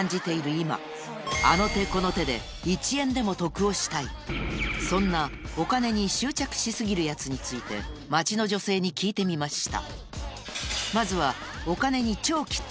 今あの手この手でそんなお金に執着し過ぎるヤツについて街の女性に聞いてみました